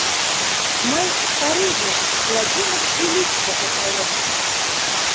— Мый Парижыш Владимир Ильич деке каем.